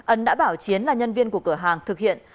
ấn đã bảo chiến là nhân viên của cửa hàng thực hiện